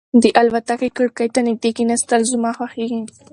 د الوتکې کړکۍ ته نږدې کېناستل زما خوښېږي.